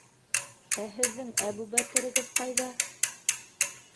Ә һеҙҙең Әбүбәкерегеҙ ҡайҙа?